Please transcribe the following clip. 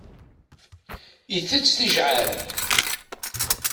Itett tijɛal.